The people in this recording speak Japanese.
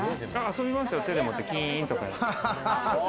遊びますよ、手で持ってキンとか。